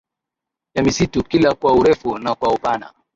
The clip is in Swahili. ya misitu kila kwa urefu na kwa upana